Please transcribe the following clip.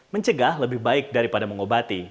mencegah lebih baik daripada mengobati